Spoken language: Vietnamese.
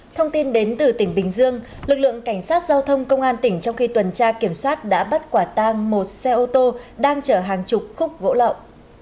thông tin đến từ tỉnh bình dương lực lượng cảnh sát giao thông công an tỉnh trong khi tuần tra kiểm soát đã bắt quả tang một xe ô tô đang chở hàng chục khúc gỗ lậu